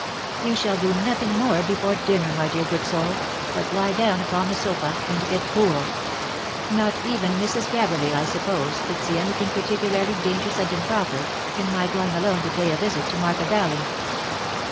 ;< You shall do nothing more before dinner, my dear good soul, but lie down upon the sofa, and get cool. Not even Mrs. Gabberly, I suppose, could see any thing particularly dangerous and improper, in my going alone to pay a visit to Martha Dowling."